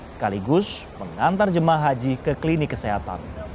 sekaligus mengantar jemaah haji ke klinik kesehatan